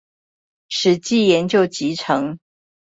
史記研究集成